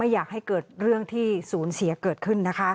อยากให้เกิดเรื่องที่ศูนย์เสียเกิดขึ้นนะคะ